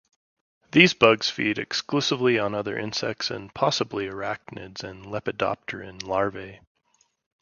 These bugs feed exclusively on other insects and possibly arachnids and lepidopteran larvae.